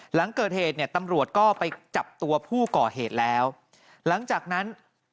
หลังเกิดเหตุเนี่ยตำรวจก็ไปจับตัวผู้ก่อเหตุแล้วหลังจากนั้น